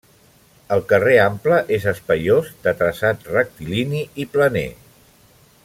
El carrer Ample és espaiós, de traçat rectilini i planer.